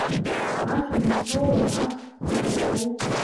Ас убахьоу, уара, ас уаҳахьоу!